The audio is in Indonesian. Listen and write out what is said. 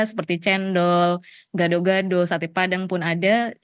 seperti cendol gado gado sate padang pun ada